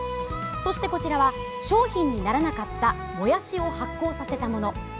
そして、こちらは商品にならなかったもやしを発酵させたもの。